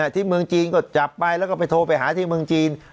ที่เมืองจีนก็จับไปแล้วก็ไปโทรไปหาที่เมืองจีน